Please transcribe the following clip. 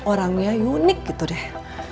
orangnya unik gitu deh